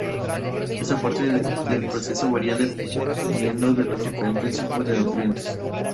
Esta parte del proceso varía dependiendo de los diferentes tipos de nutrientes.